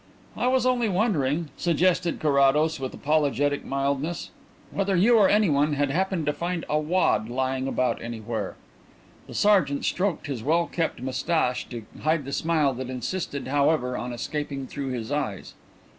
"I was only wondering," suggested Carrados, with apologetic mildness, "whether you, or anyone, had happened to find a wad lying about anywhere." The sergeant stroked his well kept moustache to hide the smile that insisted, however, on escaping through his eyes.